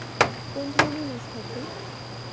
কোন ধরনের মাছ থাকবে?